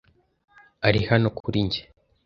Ari hano kuri njye.